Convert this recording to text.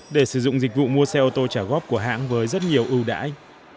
để sử dụng dịch vụ mua xe ô tô trả góp của hãng với rất nhiều ưu đãi